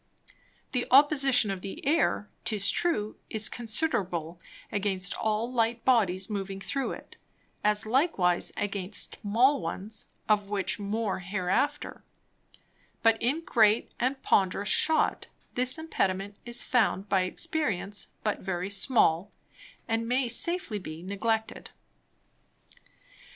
The Opposition of the Air, 'tis true, is considerable against all light Bodies moving through it, as likewise against small ones (of which more hereafter) but in great and ponderous Shot, this Impediment is found by Experience but very small, and may safely be neglected.